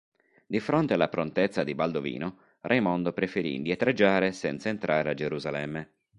Di fronte alla prontezza di Baldovino, Raimondo preferì indietreggiare senza entrare a Gerusalemme.